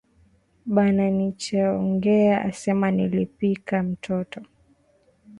Bananichongea asema nilipika mtoto